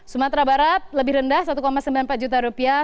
sumatera barat lebih rendah satu sembilan puluh empat juta rupiah